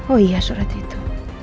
oh iya surat itu